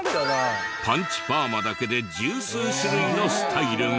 パンチパーマだけで十数種類のスタイルが。